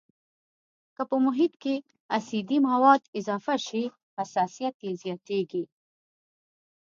که په محیط کې اسیدي مواد اضافه شي حساسیت یې زیاتیږي.